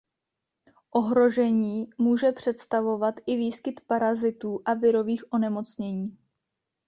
Ohrožení může představovat i výskyt parazitů a virových onemocnění.